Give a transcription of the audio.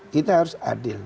kita harus adil